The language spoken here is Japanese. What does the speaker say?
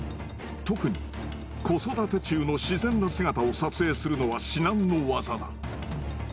特に子育て中の自然の姿を撮影するのは至難の業だ。